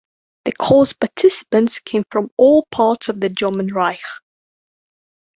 The course participants came from all parts of the German Reich.